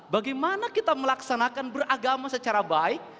bagaimana kita melaksanakan beragama secara baik